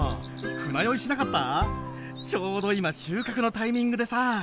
ちょうど今収穫のタイミングでさ。